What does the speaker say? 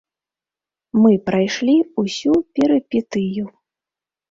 Мы прайшлі ўсю перыпетыю.